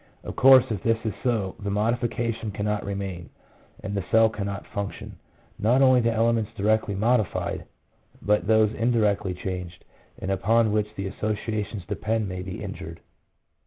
Of course, if this is so, the modification cannot remain, and the cell cannot function. Not only the elements directly modified, but those indirectly changed, and upon which the associations depend, may be injured.